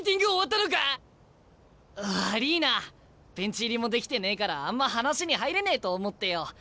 悪いなベンチ入りもできてねえからあんま話に入れねえと思ってよ。